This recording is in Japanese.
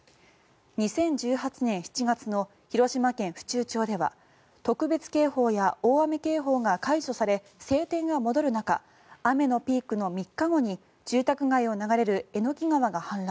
２０１８年７月の広島県府中町では特別警報や大雨警報が解除され晴天が戻る中雨のピークの３日後に住宅街を流れる榎川が氾濫。